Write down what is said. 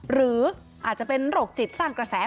หรืออาจจะเป็นโรคจิตสร้างกระแส